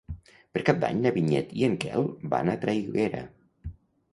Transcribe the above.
Per Cap d'Any na Vinyet i en Quel van a Traiguera.